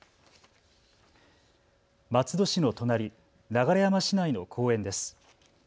松戸市の隣、流山市内の公園です。